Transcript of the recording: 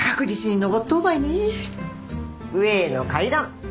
上への階段。